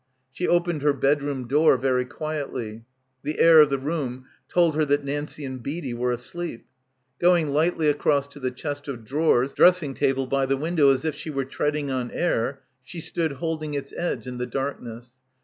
She opened her bedroom door very quietly. The air of the room told her that Nancie and Beadie were asleep. Going lightly across to the chest of drawers dressing table by the window as if she were treading on air, she stood holding its edge in the darkness.